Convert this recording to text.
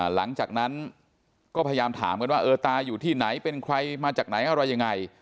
หลังจากนั้นก็พยายามถามกันว่าเออตาอยู่ที่ไหนเป็นใครมาจากไหนอะไรยังไง